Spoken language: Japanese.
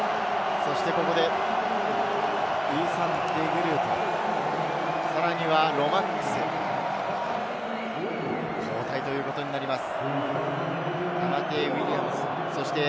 ここでイーサン・デグルート、さらにはロマックス、交代ということになります。